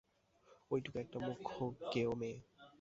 ওইটুকু একটা মুখ্য গেঁয়ো মেয়ে।